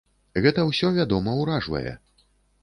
Гэта ўсё, вядома, уражвае.